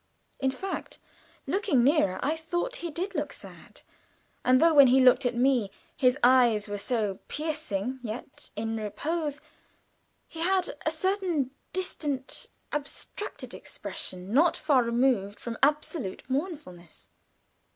In fact, looking nearer, I thought he did look sad; and though when he looked at me his eyes were so piercing, yet in repose they had a certain distant, abstracted expression not far removed from absolute mournfulness.